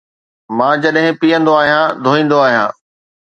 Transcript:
مان جڏهن پيئندو آهيان ڌوئيندو آهيان